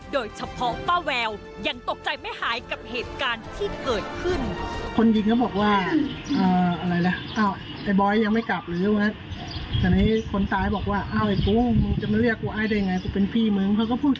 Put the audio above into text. โดยเฉพาะป้าแววยังตกใจไม่หายกับเหตุการณ์ที่เกิดขึ้น